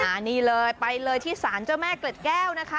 อันนี้เลยไปเลยที่สารเจ้าแม่เกล็ดแก้วนะคะ